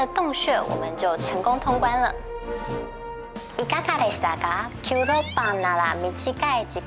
いかがでしたか？